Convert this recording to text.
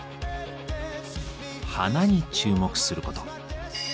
「花」に注目すること。